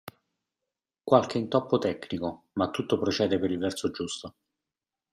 Qualche intoppo tecnico ma tutto procede per il verso giusto.